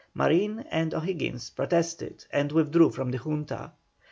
Marin and O'Higgins protested and withdrew from the Junta.